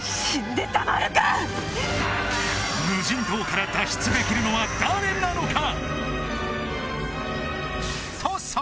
無人島から脱出できるのは誰なのか？